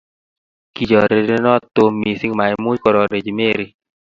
Kichorirenot Tom missing maimuch kororechi Mary